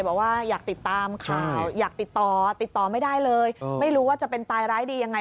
บอกว่าอยากติดตามข่าวอยากติดต่อติดต่อไม่ได้เลยไม่รู้ว่าจะเป็นตายร้ายดียังไง